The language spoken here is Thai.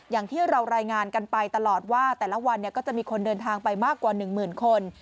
อย่างที่เรารายงานกันไปตลอดว่าแต่ละวันก็จะมีคนเดินทางไปมากกว่า๑หมื่นคน